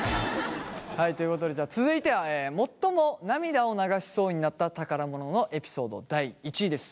はいということで続いては最も涙を流しそうになった宝物のエピソード第１位です。